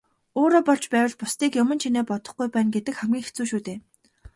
Өөрөө болж байвал бусдыг юман чинээ бодохгүй байна гэдэг хамгийн хэцүү шүү дээ.